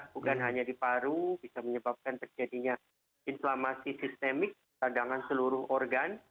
bukan hanya di paru bisa menyebabkan terjadinya inflamasi sistemik sadangan seluruh organ